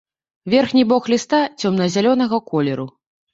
Верхні бок ліста цёмна-зялёнага колеру.